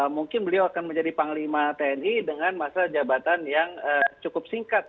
mungkin beliau akan menjadi panglima tni dengan masa jabatan yang cukup singkat